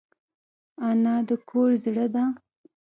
انا د کور زړه ده